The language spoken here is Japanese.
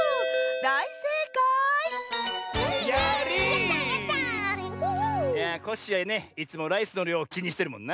いやコッシーはねいつもライスのりょうきにしてるもんな。